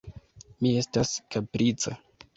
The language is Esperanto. Mi estas kaprica.